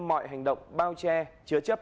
mọi hành động bao che chứa chấp